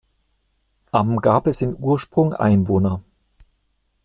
Am gab es in Ursprung Einwohner.